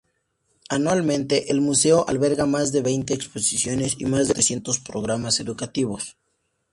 Anualmente, el museo alberga más de veinte exposiciones y más de trescientos programas educativos.